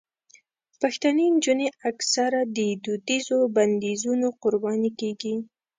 پښتنې نجونې اکثره د دودیزو بندیزونو قرباني کېږي.